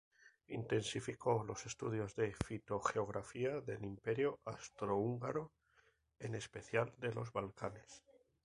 Intensificó los estudios de la fitogeografía del Imperio austrohúngaro, en especial de los Balcanes.